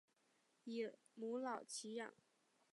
以母老乞养。